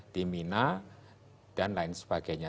di mina dan lain sebagainya